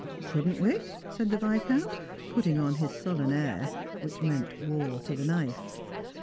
" Couldn't we ?" said the Viscount, putting on his sullen air, which meant war to the knife.